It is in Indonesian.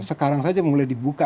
sekarang saja mulai dibuka